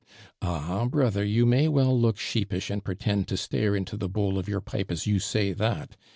"'" .\h, brother, you may well look sheep ish, and pretend to stare into tlie bowl of your pipe, ns you s.ny that.